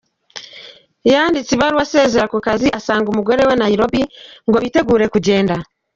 Yanditse ibaruwa asezera ku kazi asanga umugore we Nairobi ngo bitegure kugenda.